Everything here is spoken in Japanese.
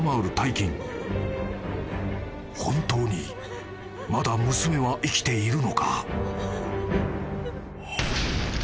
［本当にまだ娘は生きているのか？］